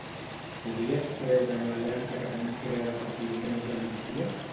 Podries treure'm l'alerta que tenim creada per diumenge al migdia?